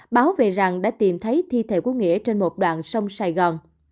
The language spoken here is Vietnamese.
báo về rằng đã tìm thấy thi thể của nghĩa trên một đoạn sông sài gòn